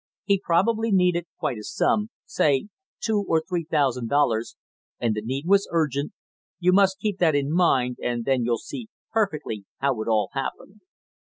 He probably needed quite a sum, say two or three thousand dollars, and the need was urgent, you must keep that in mind and then you'll see perfectly how it all happened.